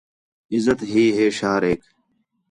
عزت ہی ہے شہریک